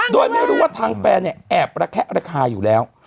โดยไม่รู้ว่าทางแฟนแอบระแคะราคาอยู่แล้ว